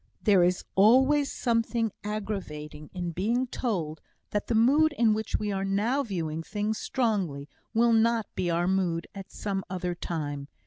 There is always something aggravating in being told, that the mood in which we are now viewing things strongly will not be our mood at some other time.